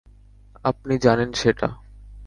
আপনি জানেন সেটা।